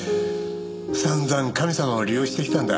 散々神様を利用してきたんだ。